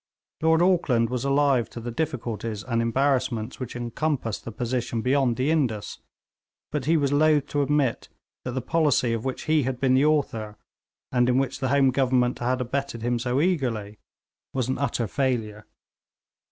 Lord Auckland was alive to the difficulties and embarrassments which encompassed the position beyond the Indus, but he was loth to admit that the policy of which he had been the author, and in which the Home Government had abetted him so eagerly, was an utter failure.